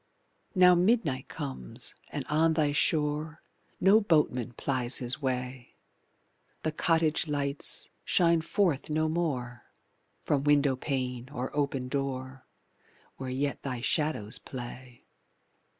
Now midnight comes, and on thy shore No boatman plies his way, The cottage lights shine forth no more From window pane or open door Where yet thy shadows play.